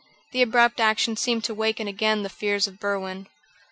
The abrupt action seemed to waken again the fears of Berwin.